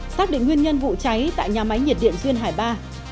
xác định nguyên nhân vụ cháy tại nhà máy nhiệt điện duyên hải ba